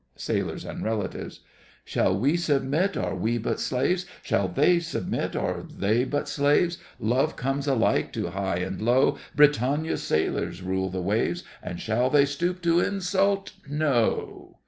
SAILORS and RELATIVES. Shall { we } submit? Are { we } but slaves? they they Love comes alike to high and low— Britannia's sailors rule the waves, And shall they stoop to insult? No!